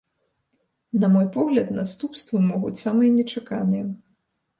На мой погляд, наступствы могуць самыя нечаканыя.